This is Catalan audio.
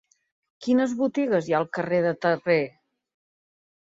Quines botigues hi ha al carrer de Terré?